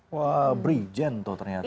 wah brigjen tuh ternyata